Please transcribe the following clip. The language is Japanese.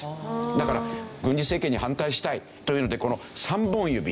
だから軍事政権に反対したいというのでこの３本指。